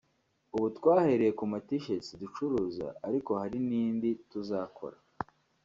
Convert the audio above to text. ubu twahereye ku ma T-Shirts ducuruza ariko hari n’indi tuzakora